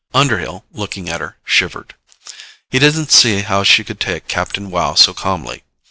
Underhill, looking at her, shivered. He didn't see how she could take Captain Wow so calmly.